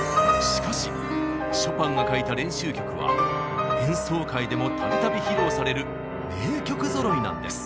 しかしショパンが書いた練習曲は演奏会でもたびたび披露される名曲ぞろいなんです。